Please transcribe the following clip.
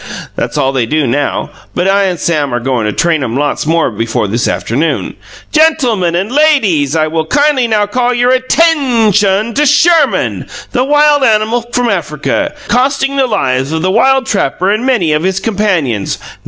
(That's all they do now, but I and Sam are goin' to train 'em lots more before this afternoon.) GEN til mun and LAY deeze I will kindly now call your at tain shon to Sherman, the wild animal from Africa, costing the lives of the wild trapper and many of his companions.